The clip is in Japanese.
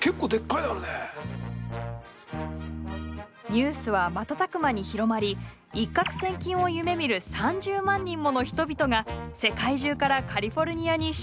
ニュースは瞬く間に広まり一獲千金を夢みる３０万人もの人々が世界中からカリフォルニアに集結しました。